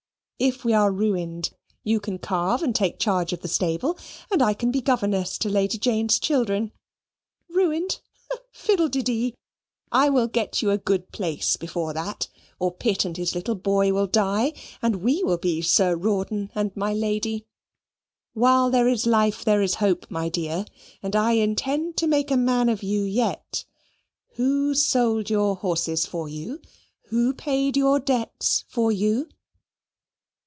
If we are ruined, you can carve and take charge of the stable, and I can be a governess to Lady Jane's children. Ruined! fiddlede dee! I will get you a good place before that; or Pitt and his little boy will die, and we will be Sir Rawdon and my lady. While there is life, there is hope, my dear, and I intend to make a man of you yet. Who sold your horses for you? Who paid your debts for you?"